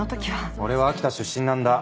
俺は秋田出身なんだ。